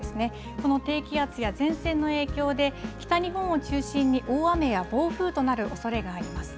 この低気圧や前線の影響で、北日本を中心に大雨や暴風となるおそれがあります。